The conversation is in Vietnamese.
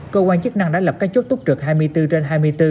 cơ quan chức năng đã lập các chốt túc trực hai mươi bốn trên hai mươi bốn